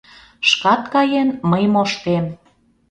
Шкат каен мый моштем.